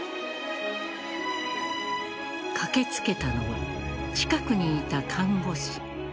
駆けつけたのは近くにいた看護師。